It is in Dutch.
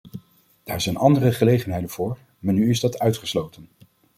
Daar zijn andere gelegenheden voor, maar nu is dat uitgesloten.